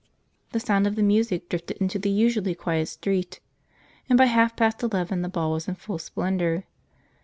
The sound of the music drifted into the usually quiet street, and by half past eleven the ball was in full splendour.